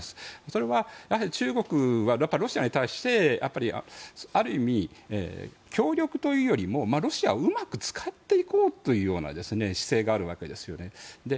それは、中国はロシアに対してある意味、協力というよりもロシアをうまく使っていこうというような姿勢があるわけですよね。